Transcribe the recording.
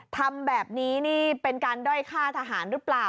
ทำแบบนี้นี่เป็นการด้อยฆ่าทหารหรือเปล่า